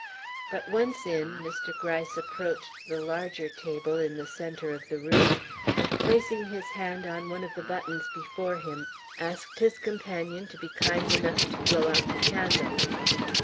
But once in, Mr. Gryce approached the larger table in the centre of the room, and placing his hand on one of the buttons before him, asked his companion to be kind enough to blow out the candle.